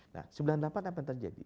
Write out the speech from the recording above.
nah sembilan puluh delapan apa yang terjadi